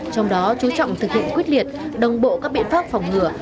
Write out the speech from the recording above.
trong đó chú trọng thực hiện quyết liệt đồng bộ các biện pháp phòng ngừa